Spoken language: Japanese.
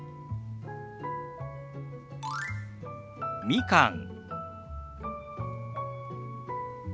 「みかん」。